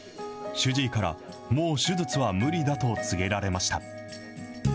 主治医から、もう手術は無理だと告げられました。